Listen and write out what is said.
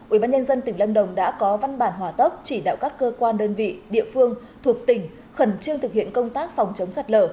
ubnd tỉnh lâm đồng đã có văn bản hòa tấp chỉ đạo các cơ quan đơn vị địa phương thuộc tỉnh khẩn trương thực hiện công tác phòng chống sạt lở